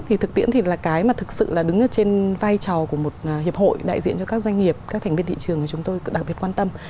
thì thực tiễn thì là cái mà thực sự là đứng ở trên vai trò của một hiệp hội đại diện cho các doanh nghiệp các thành viên thị trường chúng tôi đặc biệt quan tâm